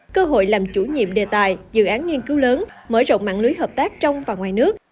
cơ hội làm chủ nhiệm đề tài dự án nghiên cứu lớn mở rộng mạng lưới hợp tác trong và ngoài nước